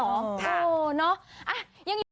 โอ้เนาะ